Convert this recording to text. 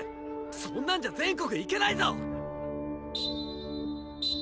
そんなんじゃ全国へ行けないぞ！